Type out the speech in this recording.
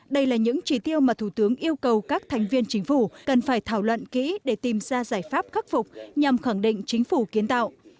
đây là những chỉ tiêu mà thủ tướng yêu cầu các thành viên chính phủ cần phải thảo luận kỹ để tìm ra giải pháp khắc phục nhằm khẳng định chính phủ kiến tạo